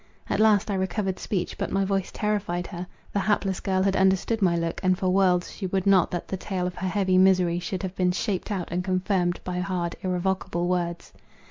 At last I recovered speech, but my voice terrified her; the hapless girl had understood my look, and for worlds she would not that the tale of her heavy misery should have been shaped out and confirmed by hard, irrevocable words.